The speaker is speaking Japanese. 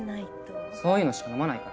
そういうのしか飲まないから。